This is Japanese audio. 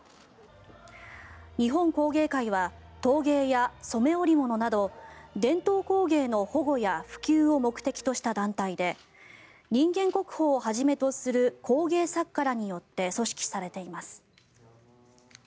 日本工芸会は陶芸や染め織物など伝統工芸の保護や普及を目的とした団体で人間国宝をはじめとする工芸作家らによって組織されています。